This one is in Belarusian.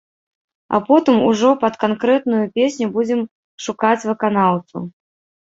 А потым ужо пад канкрэтную песню будзем шукаць выканаўцу.